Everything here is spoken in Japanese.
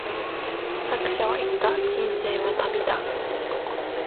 作者は言った、人生は旅だ。